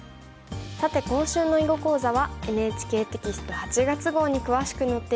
さて今週の囲碁講座はＮＨＫテキスト８月号に詳しく載っています。